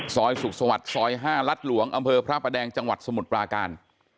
สุขสวัสดิ์ซอย๕รัฐหลวงอำเภอพระประแดงจังหวัดสมุทรปราการ